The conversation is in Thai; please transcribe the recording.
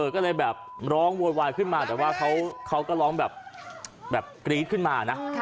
ก็เลยแบบร้องโวยวายขึ้นมาแต่ว่าเขาก็ร้องแบบกรี๊ดขึ้นมานะ